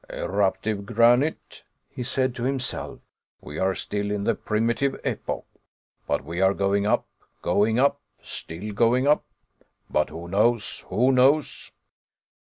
"Eruptive granite," he said to himself, "we are still in the primitive epoch. But we are going up going up, still going up. But who knows? Who knows?"